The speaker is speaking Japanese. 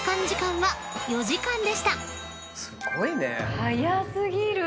すごいね。